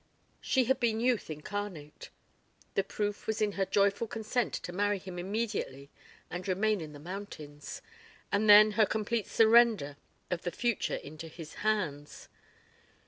She had been youth incarnate. The proof was in her joyful consent to marry him immediately and remain in the mountains ... and then her complete surrender of the future into his hands.